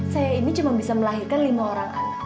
saya ini cuma bisa melahirkan lima orang anak